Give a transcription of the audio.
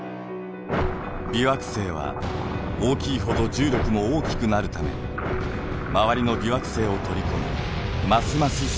微惑星は大きいほど重力も大きくなるため周りの微惑星を取り込みますます